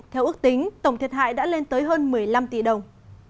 theo ước tính tổng thiệt hại đã lên tới hơn một mươi năm tỷ đồng